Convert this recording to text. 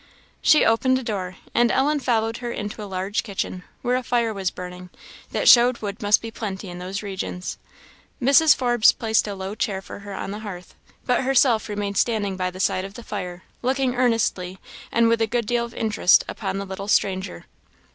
She opened a door, and Ellen followed her into a large kitchen, where a fire was burning, that showed wood must be plenty in those regions. Mrs. Forbes placed a low chair for her on the hearth, but herself remained standing by the side of the fire, looking earnestly, and with a good deal of interest, upon the little stranger.